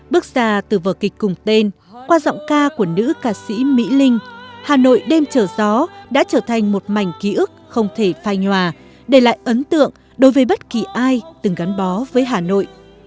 bước ra từ vở kịch cùng tên qua giọng ca của nữ ca sĩ mỹ linh hà nội đêm chở gió đã trở thành một mảnh ký ức không thể phai nhòa để lại ấn tượng đối với bất kỳ ai từng gắn bó với hà nội